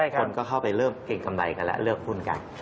คนก็เข้าไปเริ่มเก่งกำไรกันแล้วเลิกหุ้นกัน